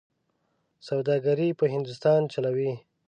سوداګري په هندوانو چلوي.